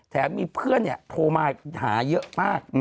แต่ว่ามีเพื่อนเนี่ยโทรมาหาเยอะมาก